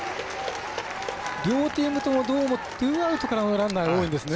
両チームとも、どうもツーアウトからのランナーが多いんですね。